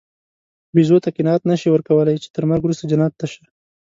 بیزو ته قناعت نهشې ورکولی، چې تر مرګ وروسته جنت شته.